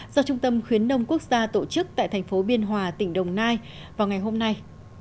do trung tâm khuyến nông quốc gia tổ chức tại thành phố biên hòa tỉnh đồng nai vào ngày hôm nay